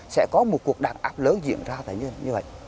sẽ có một cuộc đàn áp lớn diễn ra tại như vậy